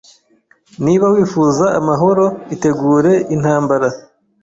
Niba wifuza amahoro, itegure intambara.